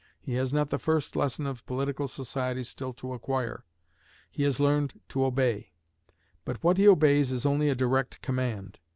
He has not the first lesson of political society still to acquire. He has learned to obey. But what he obeys is only a direct command.